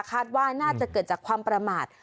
คาดว่าน่าจะเกิดจากความประมาท